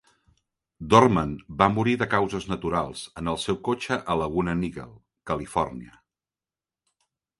Dorman va morir de causes naturals en el seu cotxe a Laguna Niguel, Califòrnia.